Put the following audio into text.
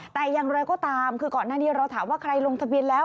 แต่อย่างไรก็ตามคือก่อนหน้านี้เราถามว่าใครลงทะเบียนแล้ว